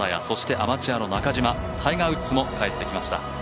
そして、アマチュアの中島タイガー・ウッズも帰ってきました。